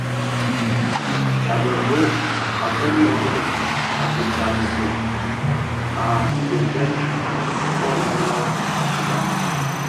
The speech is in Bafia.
A mbembo a foňi ňyon a kikanzog a kè vëg koň ňyô a kiban.